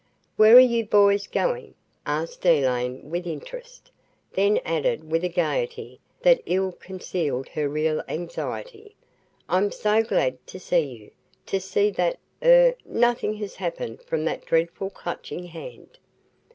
"Where are you boys going?" asked Elaine, with interest, then added with a gaiety that ill concealed her real anxiety, "I'm so glad to see you to see that er nothing has happened from that dreadful Clutching Hand."